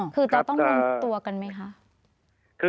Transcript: คือจะต้องรวมตัวกันไหมคะ